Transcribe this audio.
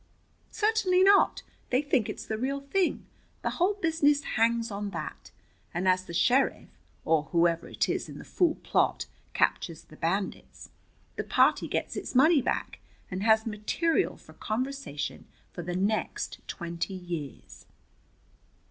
"Certainly not. They think it's the real thing. The whole business hangs on that. And as the sheriff, or whoever it is in the fool plot, captures the bandits, the party gets its money back, and has material for conversation for the next twenty years."